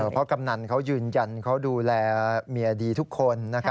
เพราะกำนันเขายืนยันเขาดูแลเมียดีทุกคน